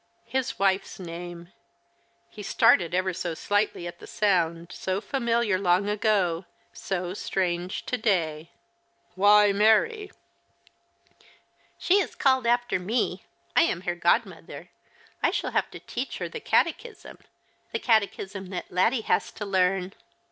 His wife's name ! He started ever so slightly at the sound ; so familiar long ago, so strange to day. " Why Mary ?" The Christmas Hirelings. 155 " She is called after me. I am her godmother. I shall have to teach her the catechism — the catechism that Laddie has to learn."